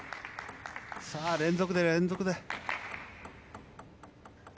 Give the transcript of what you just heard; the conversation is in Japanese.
さあ、連続で連続で。